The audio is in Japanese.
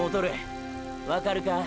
わかるか？